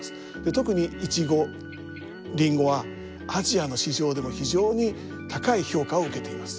特にイチゴリンゴはアジアの市場でも非常に高い評価を受けています。